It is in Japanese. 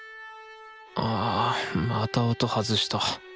あまた音外した！